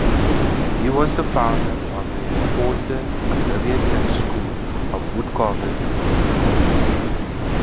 He was the founder of an important Olivetan school of woodcarvers in Ferrara.